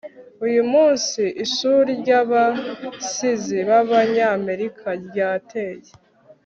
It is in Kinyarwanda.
uyu munsi, ishuri ry'abasizi b'abanyamerika ryateye